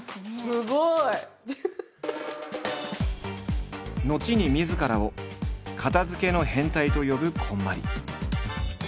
すごい！後にみずからを「片づけの変態」と呼ぶこんまり。